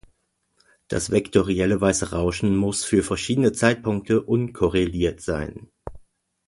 Das vektorielle weiße Rauschen muss für verschiedene Zeitpunkte unkorreliert sein.